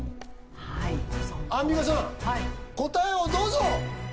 はいアンミカさん答えをどうぞ！